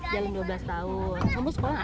jalur dua belas tahun kamu sekolah